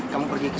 kata saya kenalin